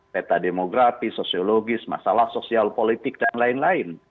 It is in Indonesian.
peta demografi sosiologis masalah sosial politik dan lain lain